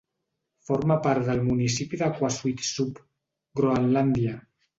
Forma part del municipi de Qaasuitsup, Groenlàndia.